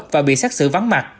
và bị xác xử vắng mặt